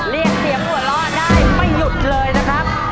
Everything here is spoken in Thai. เรียกเสียงหัวเราะได้ไม่หยุดเลยนะครับ